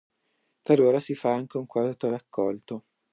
Talora si fa anche un quarto raccolto.